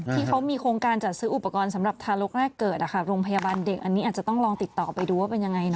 ที่เขามีโครงการจัดซื้ออุปกรณ์สำหรับทารกแรกเกิดโรงพยาบาลเด็กอันนี้อาจจะต้องลองติดต่อไปดูว่าเป็นยังไงนะ